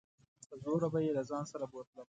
په زوره به يې له ځان سره بوتلم.